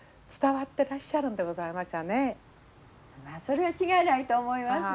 それは違いないと思いますね。